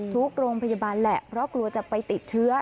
ทุกโรงพยาบาลแหละเพราะกลัวจะไปติดเชื้อ